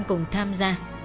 cùng tham gia